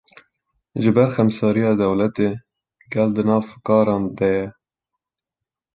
Ji ber xemsariya dewletê, gel di nav fikaran de ye